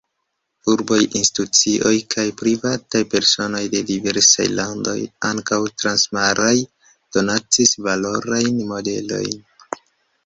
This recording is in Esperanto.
Urboj, institucioj kaj privataj personoj de diversaj landoj, ankaŭ transmaraj, donacis valorajn modelojn.